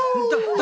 誰？